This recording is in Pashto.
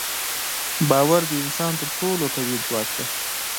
باور د انسان تر ټولو قوي ځواک دی.